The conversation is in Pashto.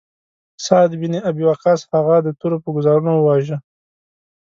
سعد بن ابی وقاص هغه د تورو په ګوزارونو وواژه.